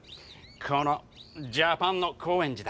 このジャパンの高円寺だ。